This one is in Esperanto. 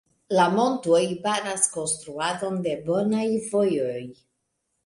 La montoj baras konstruadon de bonaj vojoj.